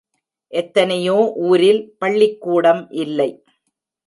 எத்தனையோ ஊரில் பள்ளிக்கூடம் இல்லை.